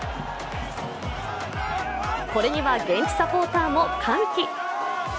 これには現地サポーターも歓喜。